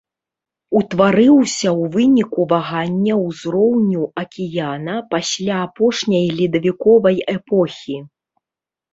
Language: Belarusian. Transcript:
Утварыўся ў выніку вагання ўзроўню акіяна пасля апошняй ледавіковай эпохі.